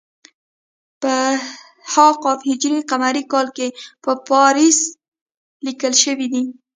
په ه ق کال کې په پارسي لیکل شوی دی.